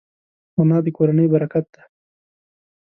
انا د کورنۍ برکت ده